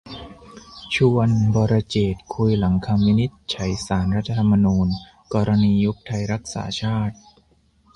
ชวน 'วรเจตน์' คุยหลังคำวินิจฉัยศาลรัฐธรรมนูญ กรณียุบไทยรักษาชาติ